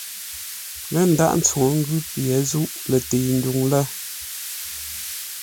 Lə́ ndághʼ tsuŋə́ ngʉ́ pye zûʼ lətəi ndwuŋ lə́.